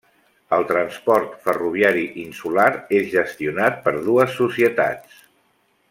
El transport ferroviari insular és gestionat per dues societats.